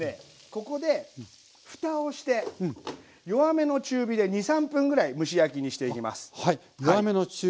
ここでふたをして弱めの中火で２３分ぐらい蒸し焼きにしていきます。